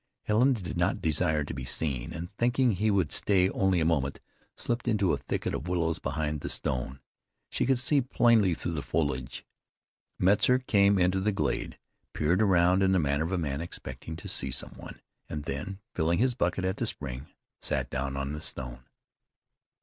Helen did not desire to be seen, and, thinking he would stay only a moment, slipped into a thicket of willows behind the stone. She could see plainly through the foliage. Metzar came into the glade, peered around in the manner of a man expecting to see some one, and then, filling his bucket at the spring, sat down on the stone.